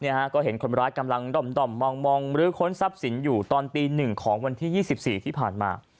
เนี้ยฮะก็เห็นคนร้ายกำลังด่อมด่อมมองมองหรือคนทรัพย์สินอยู่ตอนตีหนึ่งของวันที่ยี่สิบสี่ที่ผ่านมา